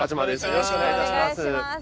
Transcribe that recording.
よろしくお願いします。